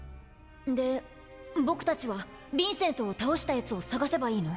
でボクたちはビンセントを倒した奴を捜せばいいの？